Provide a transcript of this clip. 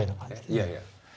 いやいや。